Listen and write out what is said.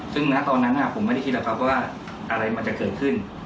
ซึ่งณตอนนั้นผมไม่ได้คิดหรอกครับว่าอะไรมันจะเกิดขึ้น